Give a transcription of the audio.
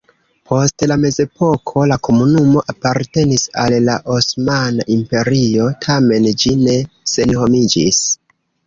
Post la mezepoko la komunumo apartenis al la Osmana Imperio, tamen ĝi ne senhomiĝis.